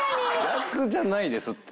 逆じゃないですって。